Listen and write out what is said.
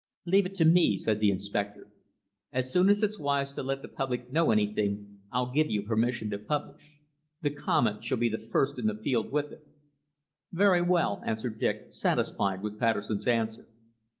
"Leave it to me," said the inspector. "As soon as it's wise to let the public know anything I'll give you permission to publish. The Comet shall be first in the field with it." "Very well," answered Dick, satisfied with Patterson's answer.